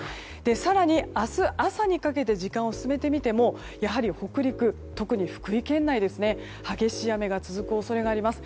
更に明日朝にかけて時間を進めてみてもやはり北陸、特に福井県内激しい雨が続く恐れがあります。